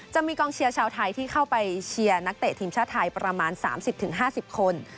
จะมีกองเชียร์ชาวไทยที่เข้าไปเชียร์นักเตะทีมชาติไทยประมาณ๓๐๕๐คน